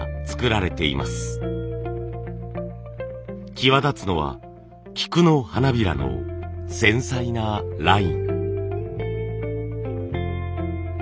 際立つのは菊の花びらの繊細なライン。